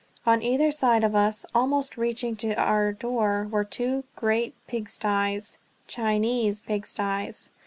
On either side of us, almost reaching to our door, were two great pigstys Chinese pigstys!